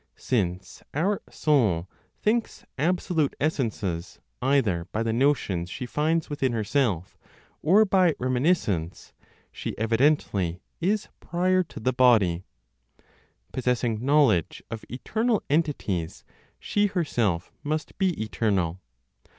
Since our soul thinks absolute essences either by the notions she finds within herself, or by reminiscence, she evidently is prior to the body. Possessing knowledge of eternal entities, she herself must be eternal.